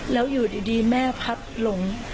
แล้วอยู่ดีแม่พัดหลง